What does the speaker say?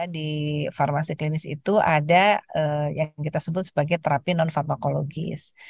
di farmasi klinis itu ada yang kita sebut sebagai terapi non farmakologis